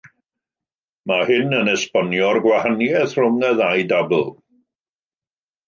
Mae hyn yn esbonio'r gwahaniaeth rhwng y ddau dabl.